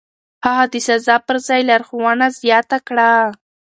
هغه د سزا پر ځای لارښوونه زياته کړه.